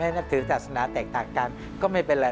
ไม่ได้นำถือศาสนาแตกต่างกันก็ไม่เป็นไร